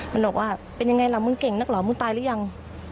มันบอกว่าเป็นยังไงล่ะมึงเก่งนักเหรอมึงตายหรือยัง